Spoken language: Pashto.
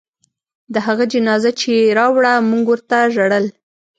د هغه جنازه چې يې راوړه موږ ورته ژړل.